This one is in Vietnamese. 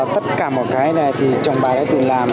tất cả một cái này thì chồng bà ấy từng làm